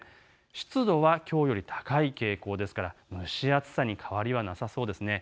湿度はきょうより高い傾向ですから、蒸し暑さに変わりはなさそうです。